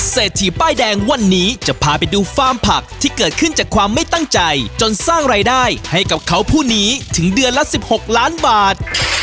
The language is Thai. เศรษฐีป้ายแดงวันนี้จะพาไปดูฟาร์มผักที่เกิดขึ้นจากความไม่ตั้งใจจนสร้างรายได้ให้กับเขาผู้นี้ถึงเดือนละ๑๖ล้านบาท